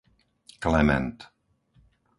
Klement